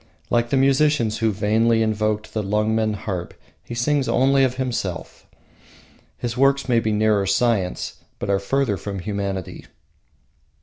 Like the musicians who vainly invoked the Lungmen harp, he sings only of himself. His works may be nearer science, but are further from humanity.